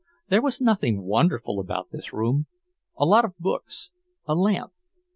There was nothing wonderful about this room; a lot of books, a lamp...